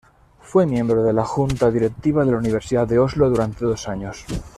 Fue miembro de la junta directiva de la Universidad de Oslo durante dos años.